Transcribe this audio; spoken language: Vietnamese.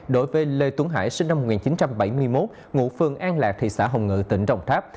đối với lê tuấn hải sinh năm một nghìn chín trăm bảy mươi một ngụ phường an lạc thị xã hồng ngự tỉnh đồng tháp